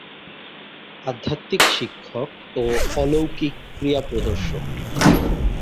আধ্যাত্মিক শিক্ষক ও অলৌকিক ক্রিয়াপ্রদর্শক।